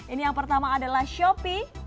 ini yang pertama adalah shopee